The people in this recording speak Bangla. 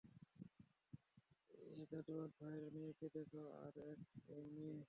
ওই জাদাওয়াত ভাইয়ের মেয়েকে দেখ, আর এক এই মেয়ে।